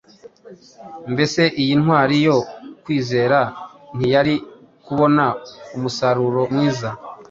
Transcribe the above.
Mbese iyi ntwari yo kwizera ntiyari kubona umusaruro mwiza